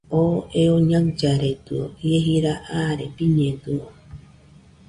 Oo eo ñaɨllaredɨio, ie jira aare biñedɨio